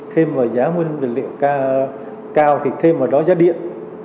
thêm vào giá nguyên vật liệu cao thì thêm vào đó giá điện